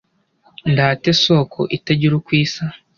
ndate soko itagira uko isa